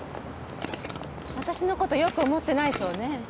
私のことよく思ってないそうね。